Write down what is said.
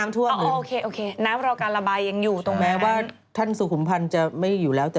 ใช่ถูกนะใช่